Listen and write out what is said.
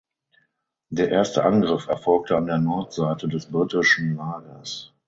Der erste Angriff erfolgte an der Nordseite des britischen Lagers.